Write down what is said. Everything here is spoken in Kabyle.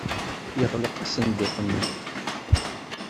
Yeɣleq asenduq-nni.